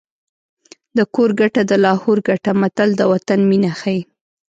د کور ګټه د لاهور ګټه متل د وطن مینه ښيي